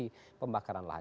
di pembakaran lahan